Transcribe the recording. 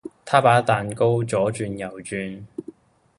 他把蛋糕左轉右轉